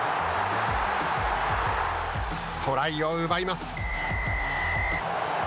トライを奪います。